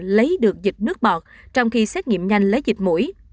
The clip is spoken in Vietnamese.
lấy được dịch nước bọt trong khi xét nghiệm nhanh lấy dịch mũi